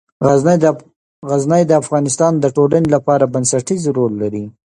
غزني د افغانستان د ټولنې لپاره بنسټيز رول لري.